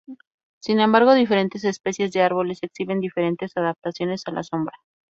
Sin embargo, diferentes especies de árboles exhiben diferentes adaptaciones a la sombra.